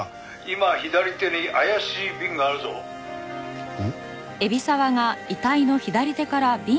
「今左手に怪しい瓶があるぞ」ん？